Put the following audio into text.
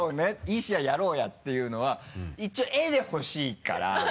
いい試合やろうやっていうのは一応絵でほしいから。